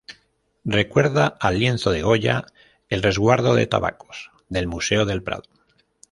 Recuerda al lienzo de Goya "El resguardo de tabacos" del Museo del Prado.